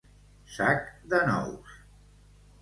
Sac de nous.